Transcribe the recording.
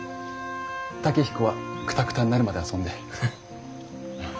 健彦はくたくたになるまで遊んで。